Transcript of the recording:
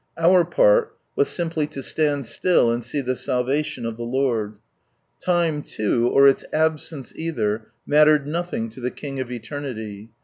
Our part was simply to stand Still and see the salvation of the Lord. Time, loo, or its absence either, mattered nothing to the King of eternity.